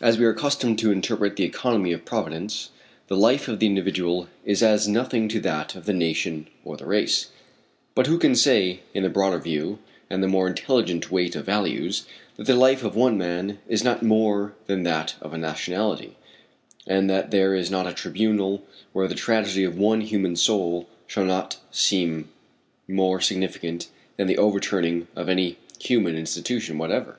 As we are accustomed to interpret the economy of providence, the life of the individual is as nothing to that of the nation or the race; but who can say, in the broader view and the more intelligent weight of values, that the life of one man is not more than that of a nationality, and that there is not a tribunal where the tragedy of one human soul shall not seem more significant than the overturning of any human institution whatever?